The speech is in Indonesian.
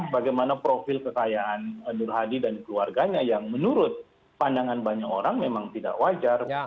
bagaimana profil kekayaan nur hadi dan keluarganya yang menurut pandangan banyak orang memang tidak wajar